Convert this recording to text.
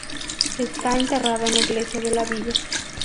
Está enterrado en la iglesia de la villa.